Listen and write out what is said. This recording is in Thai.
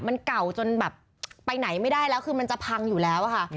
มันเก่าจนแบบไปไหนไม่ได้แล้วคือมันจะพังอยู่แล้วค่ะ